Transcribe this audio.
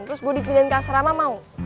terus gue dipilihin ke asrama mau